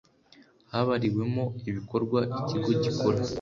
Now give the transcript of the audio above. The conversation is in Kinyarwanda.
habariwemo ibikorwa ikigo gikora